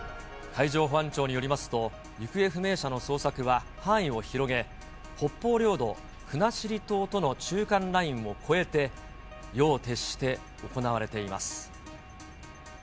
海上保安庁によりますと、行方不明者の捜索は範囲を広げ、北方領土・国後島との中間ラインを越えて、夜を徹して行われています。